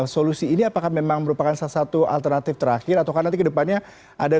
solusi ini apakah memang merupakan salah satu alternatif terakhir atau nanti kedepannya ada